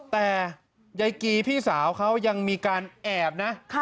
แต่ยายกีพี่สาวเขายังมีการแอบนะ